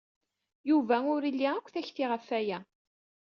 Yuba ur ili akk takti ɣef waya.